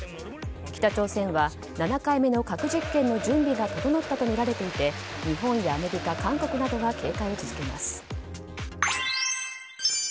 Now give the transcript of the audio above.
北朝鮮は７回目の核実験の準備が整ったとみられていて日本やアメリカ、韓国などが警戒を続けます。